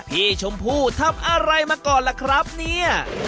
พี่ชมพู่ทำอะไรมาก่อนล่ะครับเนี่ย